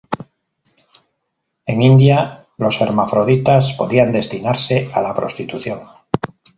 En India, los hermafroditas podían destinarse a la prostitución.